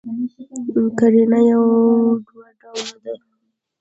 قرینه پر دوه ډوله ده.